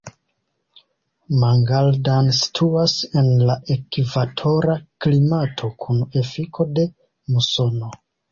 Mangaldan situas en la ekvatora klimato kun efiko de musono.